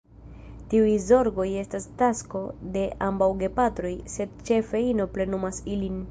Tiuj zorgoj estas tasko de ambaŭ gepatroj, sed ĉefe ino plenumas ilin.